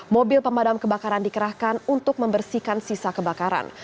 mobil pemadam kebakaran dikerahkan untuk membersihkan sisa kebakaran